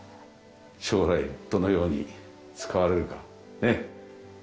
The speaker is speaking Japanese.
将来どのように使われるかねえ。